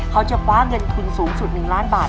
เขาจะประว้เงินทุนสูงสุดหนึ่งล้านบาท